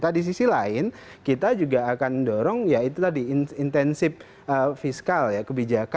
tapi tadi di sisi lain kita juga akan mendorong ya itu tadi intensif fiskal ya